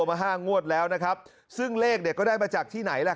มาห้างวดแล้วนะครับซึ่งเลขเนี่ยก็ได้มาจากที่ไหนล่ะ